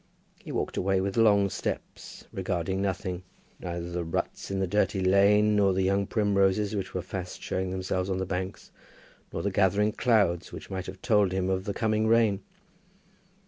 He walked away with long steps, regarding nothing, neither the ruts in the dirty lane, nor the young primroses which were fast showing themselves on the banks, nor the gathering clouds which might have told him of the coming rain.